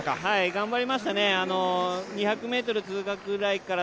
頑張りましたね、２００ｍ通過ぐらいから